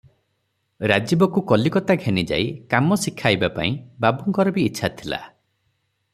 ରାଜୀବକୁ କଲିକତା ଘେନିଯାଇ କାମ ଶିଖାଇବାପାଇଁ ବାବୁଙ୍କର ବି ଇଚ୍ଛା ଥିଲା |